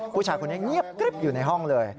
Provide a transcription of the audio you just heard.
ผู้ชายคนนี้เงียบกริ๊บอยู่ในห้องเลย